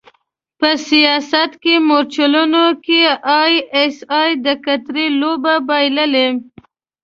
په سیاست مورچلونو کې ای ایس ای د قطر لوبه بایللې.